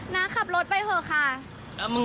ว่ากล้องไม่ใช่ใช่เหรอท่าน